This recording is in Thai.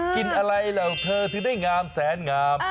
กินอะไรเหล่าเธอถึงได้งามแสนงาม